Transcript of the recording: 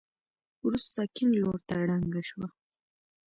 وروسته کيڼ لورته ړنګه شوه.